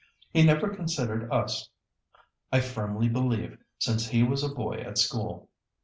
He never considered us, I firmly believe, since he was a boy at school.